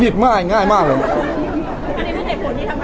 อย่างง่ายมากสิ